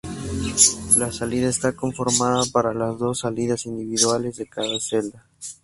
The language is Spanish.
La salida está conformada por las dos salidas individuales de cada celda.